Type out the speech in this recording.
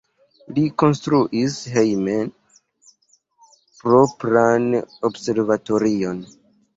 Li konstruis hejme propran observatorion.